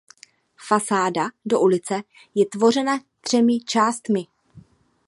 Fasáda do ulice je tvořena třemi částmi.